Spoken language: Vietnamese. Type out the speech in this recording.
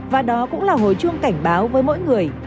và đó cũng là hồi chuông cảnh báo với mỗi người